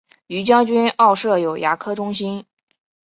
于将军澳设有牙科中心。